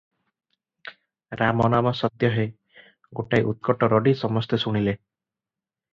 ରାମ ନାମ ସତ୍ୟ ହେ!' ଗୋଟାଏ ଉତ୍କଟ ରଡି ସମସ୍ତେ ଶୁଣିଲେ!